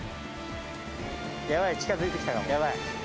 やばい、近づいてきたな、やばい。